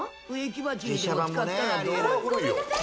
「ごめんなさい。